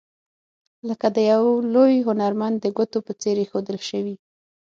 لکه د یو لوی هنرمند د ګوتو په څیر ایښودل شوي.